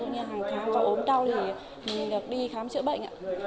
ví dụ như hàng tháng có ốm đau thì mình được đi khám chữa bệnh